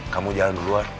kamu jalan duluan